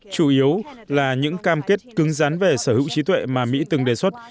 chủ yếu là những cam kết cứng rán về sở hữu trí tuệ mà mỹ từng đề xuất